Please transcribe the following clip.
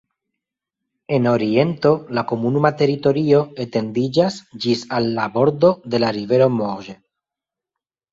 En oriento la komunuma teritorio etendiĝas ĝis al la bordo de la rivero Morges.